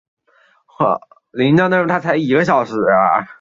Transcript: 密沙镇为缅甸曼德勒省皎克西县的镇区。